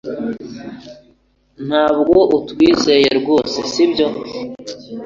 Ntabwo utwizeye rwose sibyo